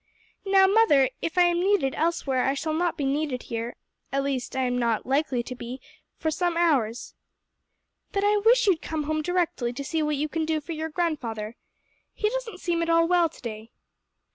"Now, mother, if I am needed elsewhere, I shall not be needed here at least am not likely to be for some hours." "Then I wish you'd come home directly to see what you can do for your grandfather. He doesn't seem at all well to day."